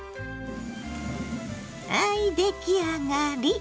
はい出来上がり！